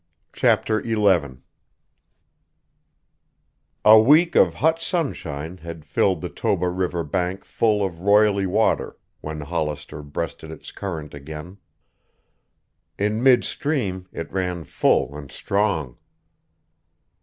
CHAPTER XI A week of hot sunshine had filled the Toba River bank full of roily water when Hollister breasted its current again. In midstream it ran full and strong.